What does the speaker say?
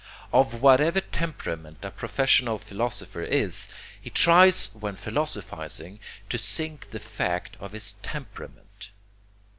Of whatever temperament a professional philosopher is, he tries when philosophizing to sink the fact of his temperament.